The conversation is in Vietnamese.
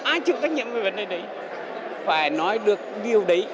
ai chịu trách nhiệm về vấn đề đấy phải nói được điều đấy